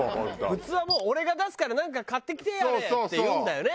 普通はもう「俺が出すからなんか買ってきてやれ」って言うんだよね